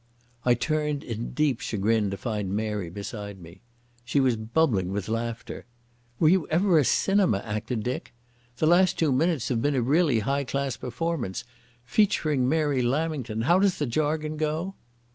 I turned in deep chagrin to find Mary beside me. She was bubbling with laughter. "Were you ever a cinema actor, Dick? The last two minutes have been a really high class performance. 'Featuring Mary Lamington.' How does the jargon go?"